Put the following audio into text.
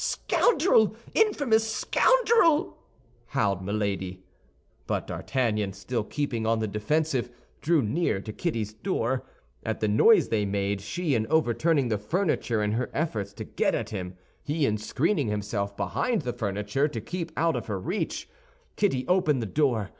"Scoundrel, infamous scoundrel!" howled Milady. But D'Artagnan, still keeping on the defensive, drew near to Kitty's door. At the noise they made, she in overturning the furniture in her efforts to get at him, he in screening himself behind the furniture to keep out of her reach, Kitty opened the door.